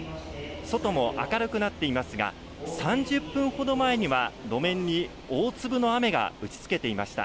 外も明るくなっていますが３０分ほど前には路面に大粒の雨が打ちつけていました。